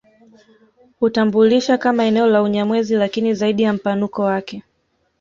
Hutambulisha kama eneo la Unyamwezi lakini zaidi ya mpanuko wake